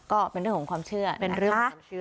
วิทยาลัยศาสตรี